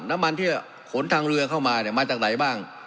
น้ำมันที่ขนทางเรือเข้ามาเนี่ยมาจากไหนบ้าง